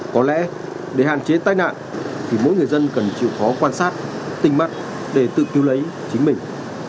có lẽ để hạn chế tai nạn thì mỗi người dân cần chịu khó quan sát tình mắt để tự cứu lấy chính mình